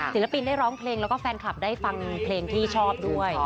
ศิลปินได้ร้องเพลงแล้วก็แฟนคลับได้ฟังเพลงที่ชอบด้วย